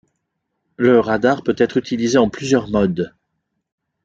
Le radar peut être utilisé en plusieurs modes.